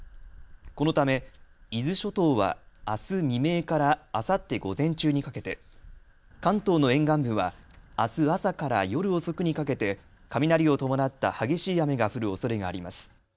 このため伊豆諸島はあす未明からあさって午前中にかけて、関東の沿岸部はあす朝から夜遅くにかけて雷を伴った激しい雨が降るおそれがあります。